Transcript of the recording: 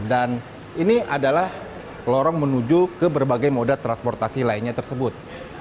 dan ini adalah lorong menuju ke berbagai moda transportasi lainnya tersebut